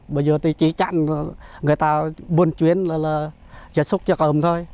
bây giờ thì chỉ chặn người ta buôn chuyển là trả sức cho công thôi